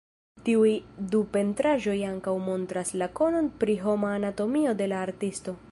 Tiuj du pentraĵoj ankaŭ montras la konon pri homa anatomio de la artisto.